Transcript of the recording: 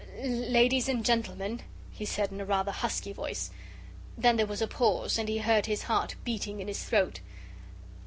"Ladies and Gentlemen," he said in a rather husky voice. Then there was a pause, and he heard his heart beating in his throat.